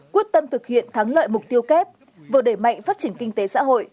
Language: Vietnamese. quyết tâm thực hiện thắng lợi mục tiêu kép vừa đẩy mạnh phát triển kinh tế xã hội